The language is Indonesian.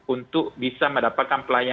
untuk bisa mendapatkan pelayanan